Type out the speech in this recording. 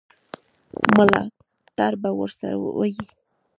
ملاتړ به ورسره وي.